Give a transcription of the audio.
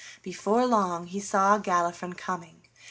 Before long he saw Galifron coming.